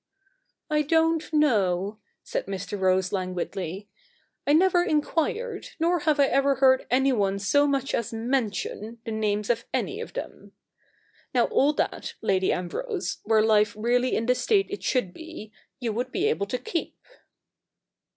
' I don't know,' said Mr. Rose languidly. ' I never enquired, nor have I ever heard anyone so much as mention, the names of any of them. Now all that, Lady Ambrose, were life really in the state it should be, you would be able to keep.'